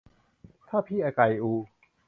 ถ้าพี่ไก่อู